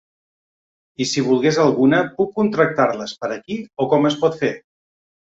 I si volgués alguna puc contractar-les per aquí o com es pot fer?